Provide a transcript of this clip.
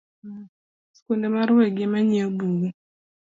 Sikunde mar wegi emang’iewo buge